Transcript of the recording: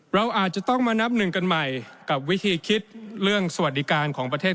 เราอาจจะต้องมานับหนึ่งกันใหม่กับวิธีคิดเรื่องสวัสดิการของประเทศ